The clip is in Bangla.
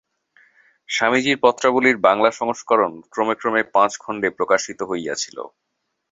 স্বামীজীর পত্রাবলীর বাংলা সংস্করণ ক্রমে ক্রমে পাঁচ খণ্ডে প্রকাশিত হইয়াছিল।